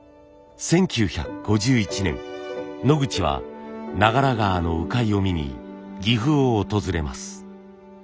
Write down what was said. １９５１年ノグチは長良川の鵜飼いを見に岐阜を訪れます。